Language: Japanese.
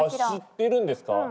あ知ってるんですか？